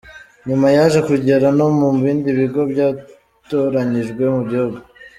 Nyuma yaje kugera no mu bindi bigo byatoranyijwe mu gihugu.